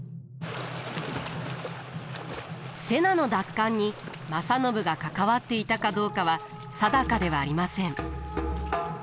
瀬名の奪還に正信が関わっていたかどうかは定かではありません。